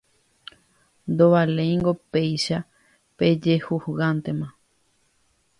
ndovaléingo péicha la pechejuzgántema.